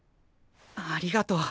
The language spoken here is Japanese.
ありがとう。